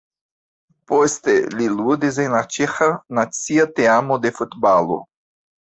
Poste li ludis en la ĉeĥa nacia teamo de futbalo.